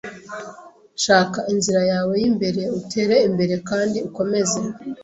Shaka inzira yawe yimbere utere imbere kandi ukomeze